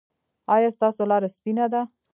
ایا ستاسو لاره سپینه ده؟